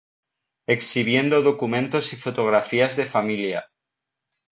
Exhibiendo Documentos y Fotografías de Familia